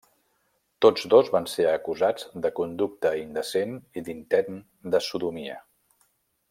Tots dos van ser acusats de conducta indecent i d'intent de sodomia.